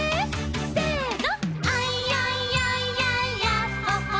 せの！